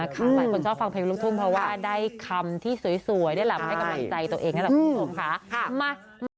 คุณผู้ชมค่ะมา